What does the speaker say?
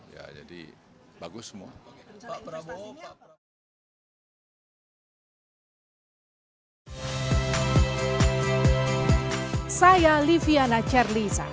ya jadi bagus semua